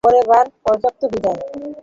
পরের বার পর্যন্ত বিদায়।